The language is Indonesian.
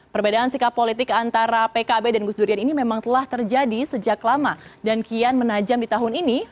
perbedaan sikap politik antara pkb dan gus durian ini memang telah terjadi sejak lama dan kian menajam di tahun ini